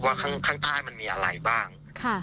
ว่าข้างใต้มันมีอะไรบ้าง